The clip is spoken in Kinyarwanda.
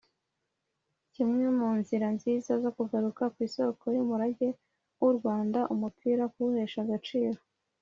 nk’imwe mu nzira nziza zo kugaruka ku isoko y’umurage w’u rwanda umupira kuwuhesha agaciro